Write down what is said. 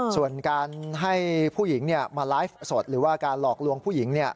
ส่วนการให้ผู้หญิงมาไลฟ์สดหรือว่าการหลอกลวงผู้หญิง